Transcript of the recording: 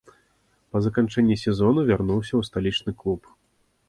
Па заканчэнні сезону вярнуўся ў сталічны клуб.